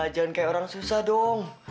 jangan kayak orang susah dong